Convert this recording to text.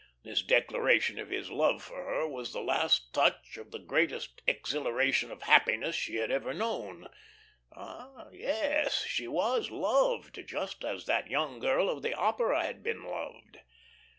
This declaration of his love for her was the last touch to the greatest exhilaration of happiness she had ever known. Ah yes, she was loved, just as that young girl of the opera had been loved.